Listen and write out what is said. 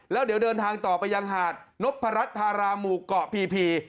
แล้วเดี๋ยวเดินทางต่อไปยังหาดนพรัชธาราหมู่เกาะพี